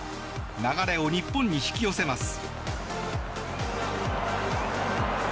流れを日本に引き寄せます。